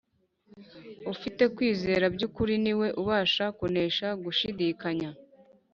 . Ufite kwizera by’ukuri ni we ubasha kunesha gushidikanya